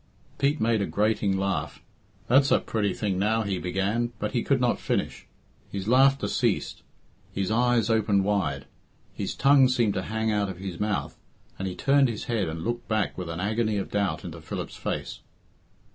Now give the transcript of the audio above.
Pete made a grating laugh. "That's a pretty thing now," he began, but he could not finish. His laughter ceased, his eyes opened wide, his tongue seemed to hang out of his mouth, and he turned his head and looked back with an agony of doubt into Philip's face.